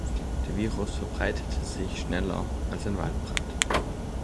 Der Virus verbreitete sich schneller als ein Waldbrand.